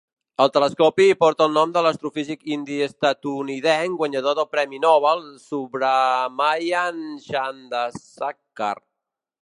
El telescopi porta el nom de l'astrofísic indi-estatunidenc, guanyador del Premi Nobel, Subrahmanyan Chandrasekhar.